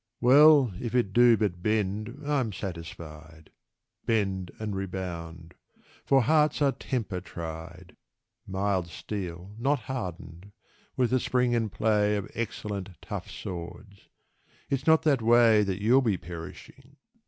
Well, if it do but bend, I'm satisfied Bend and rebound for hearts are temper tried, Mild steel, not hardened, with the spring and play Of excellent tough swords. It's not that way That you'll be perishing.